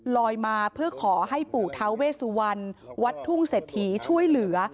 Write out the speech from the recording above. มาเพื่อขอให้ปู่ท้าเวสุวรรณวัดทุ่งเศรษฐีช่วยเหลือ